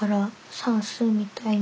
算数みたいに。